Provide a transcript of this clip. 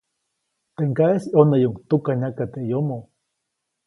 Teʼ ŋgaʼeʼis ʼyonäyuʼuŋ tukanyaka teʼ yomo,.